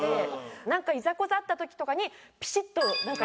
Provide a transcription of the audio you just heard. なんかいざこざあった時とかにピシッと言ってくれそう。